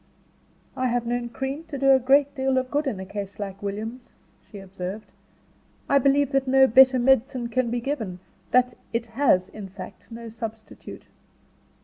"I have known cream to do a great deal of good in a case like William's," she observed. "I believe that no better medicine can be given; that it has in fact no substitute."